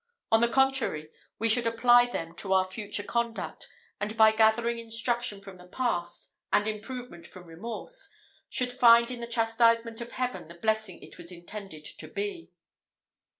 On the contrary, we should apply them to our future conduct, and by gathering instruction from the past, and improvement from remorse, should find in the chastisement of Heaven the blessing it was intended to be."